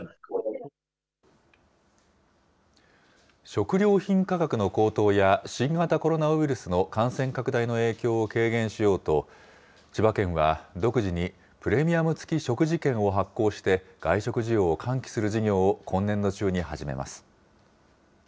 食料品価格の高騰や、新型コロナウイルスの感染拡大の影響を軽減しようと、千葉県は独自に、プレミアム付き食事券を発行して、外食需要を喚起する事業を今年度中に始めます。